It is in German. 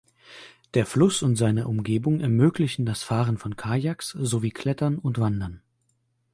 Der Fluss und seine Umgebung ermöglichen das Fahren von Kajaks sowie Klettern und Wandern.